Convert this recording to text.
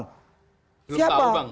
belum tahu bang